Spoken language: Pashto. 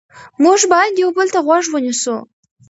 موږ باید یو بل ته غوږ ونیسو